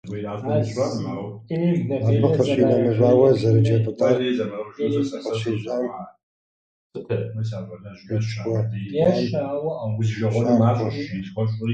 Абы къищынэмыщӀауэ, зэрыджэ пӀытӀар къищэщам, къиткӀуэткӀуам щахуэ.